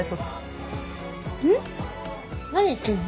何言ってんの？